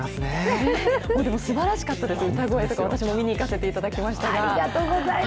でも、すばらしかったです、歌声とか、私も見に行かせていただきましたが。